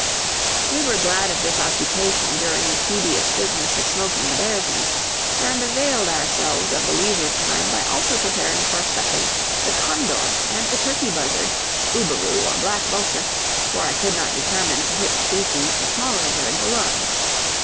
We were glad of this occupation during the tedious business of smoking the bears' meat, and availed ourselves of the leisure time by also preparing for stuffing the condor and the turkey buzzard, urubu or black vulture for I could not determine to which species the smaller bird belonged.